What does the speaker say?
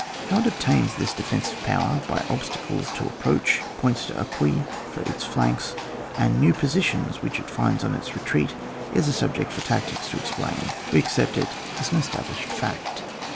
How it obtains this defensive power, by obstacles to approach, points d*appui for its flanks, and new positions which it flnds on its retreat, is a subject for tactics to explain ; we accept it as an established fact.